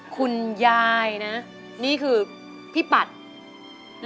คุณยายนะนี่คือพี่ปัด